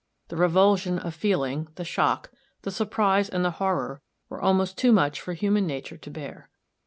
The revulsion of feeling, the shock, the surprise and the horror were almost too much for human nature to bear.